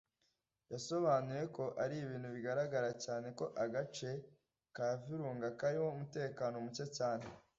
yasobanuye ko ‘ari ibintu bigaragara cyane ko agace ka Virunga karimo umutekano muke cyane’